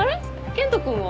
健人君は？